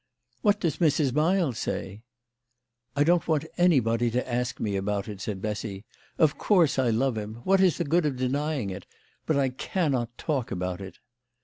" What does Mrs. Miles say ?" "I don't want anybody to ask me about it," said Bessy. " Of course I love him. What is the good of denying it ? But I cannot talk about it."